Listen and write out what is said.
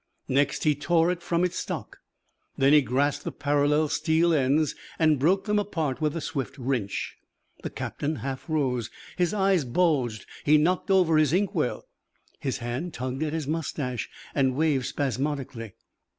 Next he tore it from its stock. Then he grasped the parallel steel ends and broke them apart with a swift wrench. The captain half rose, his eyes bulged, he knocked over his ink well. His hand tugged at his moustache and waved spasmodically.